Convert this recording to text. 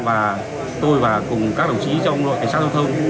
và tôi và cùng các đồng chí trong đội sát thông thơ